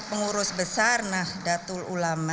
pengurus besar nahdlatul ulama